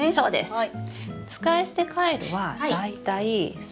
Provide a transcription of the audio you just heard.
はい。